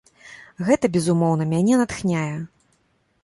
Гэта, безумоўна, мяне натхняе.